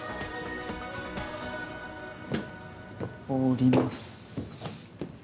通ります。